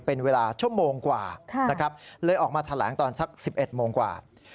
เป็นเวลาชั่วโมงกว่านะครับเลยออกมาแถลงตอนสัก๑๑โมงกว่า